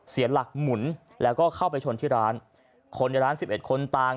เสียหลักหมุนแล้วก็เข้าไปชนที่ร้านคนอย่างร้าน๑๑คนต่าง